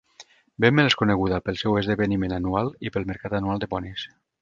Bemmel és coneguda pel seu esdeveniment anual i pel mercat anual de ponis.